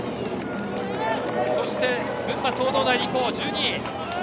そして、群馬・東農大二高は１２位。